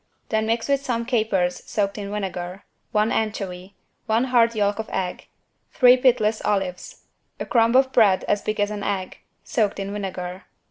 Then mix with some capers soaked in vinegar, one anchovy, one hard yolk of egg, three pitless olives, a crumb of bread as big as an egg, soaked in vinegar.